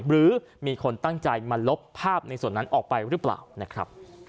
หรือมีคนตั้งใจมาลบภาพในส่วนนั้นออกไปหรือเปล่านะครับ